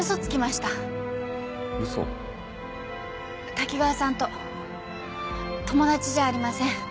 滝川さんと友達じゃありません。